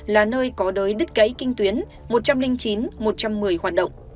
là nơi có đới đứt gãy kinh tuyến một trăm linh chín một trăm một mươi hoạt động